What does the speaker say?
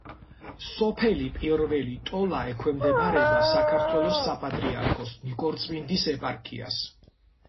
სოფელი პირველი ტოლა ექვემდებარება საქართველოს საპატრიარქოს ნიკორწმინდის ეპარქიას.